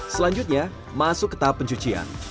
selanjutnya masuk ke tahap pencucian